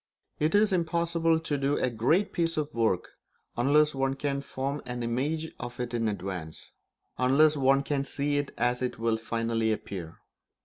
It is impossible to do a great piece of work unless one can form an image of it in advance, unless one can see it as it will finally appear.